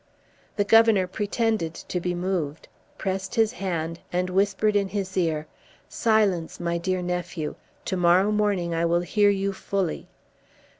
The Governor pretended to be moved, pressed his hand, and whispered in his ear, "Silence! my dear nephew; to morrow morning I will hear you fully."